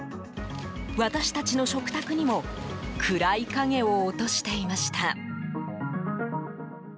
私たちの食卓にも暗い影を落としていました。